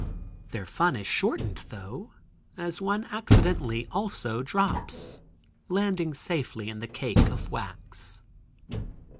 Their fun is shortened, though, as one accidentally, also drops, landing safely in the cake of wax.